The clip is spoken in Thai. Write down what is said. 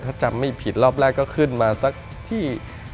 ถ้าจำไม่ผิดรอบแรกก็ขึ้นมาสักที่